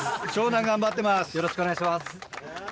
よろしくお願いします。